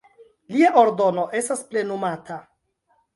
Lia ordono estas plenumata.